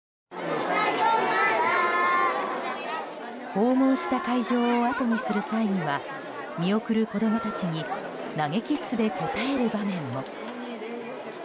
訪問した会場を後にする際には見送る子供たちに投げキッスで答える場面も。